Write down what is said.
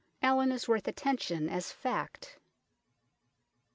Allin is worth attention as fact.